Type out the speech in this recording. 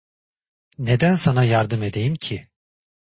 Neden sana yardım edeyim ki?